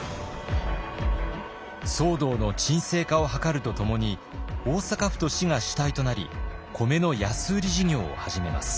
騒動の鎮静化を図るとともに大阪府と市が主体となり米の安売り事業を始めます。